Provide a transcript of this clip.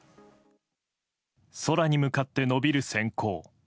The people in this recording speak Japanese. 空に向かって伸びる閃光。